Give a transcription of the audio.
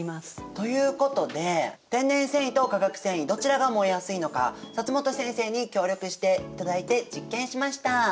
ということで天然繊維と化学繊維どちらが燃えやすいのか本先生に協力していただいて実験しました。